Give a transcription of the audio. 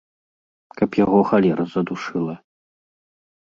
Каб яго халера задушыла!